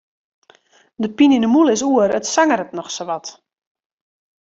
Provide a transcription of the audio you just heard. De pine yn 'e mûle is oer, it sangeret noch sa wat.